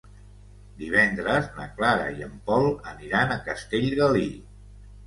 Divendres na Clara i en Pol aniran a Castellgalí.